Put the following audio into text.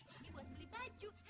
ini buat beli baju